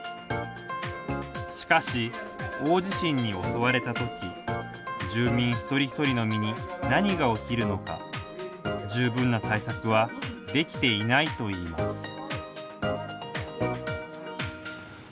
しかし、大地震に襲われたとき住民、一人一人の身に何が起きるのか十分な対策はできていないといいます